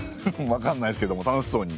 わかんないですけども楽しそうに。